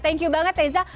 thank you banget teza